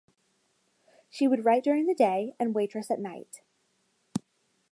She would write during the day and waitress at night.